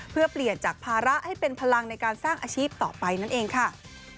เพื่อเปลี่ยนจากภาระให้เป็นพลังในการสร้างอาชีพต่อไปนั่นเองค่ะ